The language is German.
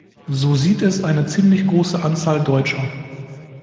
So sieht es eine ziemliche große Anzahl Deutscher.